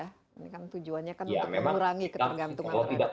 ini kan tujuannya kan untuk mengurangi ketergantungan terhadap